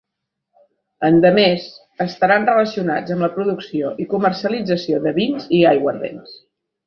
Endemés, estaran relacionats amb la producció i comercialització de vins i aiguardents.